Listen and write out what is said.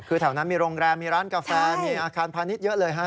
คือแถวนั้นมีโรงแรมมีร้านกาแฟมีอาคารพาณิชย์เยอะเลยฮะ